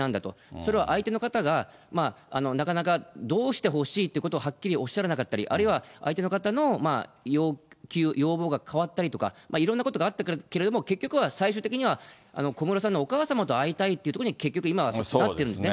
それは相手の方が、なかなかどうしてほしいっていうことをはっきりおっしゃらなかったり、あるいは相手の方の要求、要望が変わったりとか、いろんなことがあったけれども、結局は最終的には、小室さんのお母様と会いたいっていうところに結局今はなってるんですね。